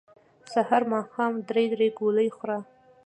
سحر ماښام درې درې ګولۍ خوره